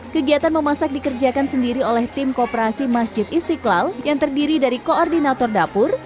kegiatan memasak dikerjakan sendiri oleh tim kooperasi masjid istiqlal yang terdiri dari koordinator dapur